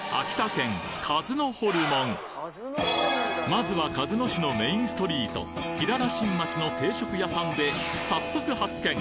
まずは鹿角市のメインストリートキララ新町の定食屋さんで早速発見！